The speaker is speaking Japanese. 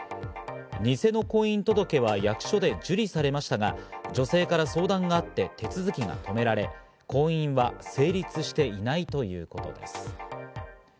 偽の婚姻届は役所で受理されましたが、女性から相談があって手続きが止められ、婚姻は成立していないということです。